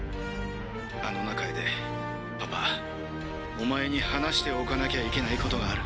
あのな楓パパお前に話しておかなきゃいけないことがある。